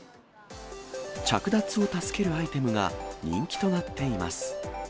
着脱を助けるアイテムが人気となっています。